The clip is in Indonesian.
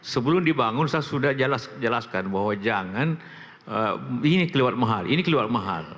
sebelum dibangun saya sudah jelaskan bahwa jangan ini kelewat mahal ini kelewat mahal